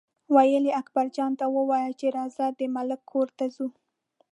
ویل یې اکبرجان ته ووایه چې راځه د ملک کور ته ځو.